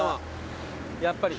やっぱり。